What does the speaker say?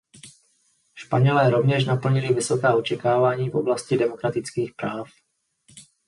Španělé rovněž naplnili vysoká očekávání v oblasti demokratických práv.